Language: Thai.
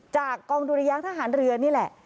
จากกองดุรยางทหารเรือนี่แหละ